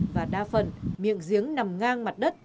và đa phần miệng giếng nằm ngang mặt đất